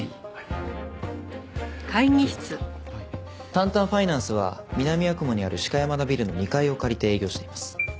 タンタンファイナンスは南八雲にある鹿山田ビルの２階を借りて営業しています。